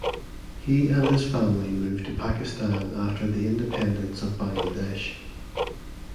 He and his family moved to Pakistan after the Independence of Bangladesh.